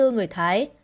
năm mươi bốn người thái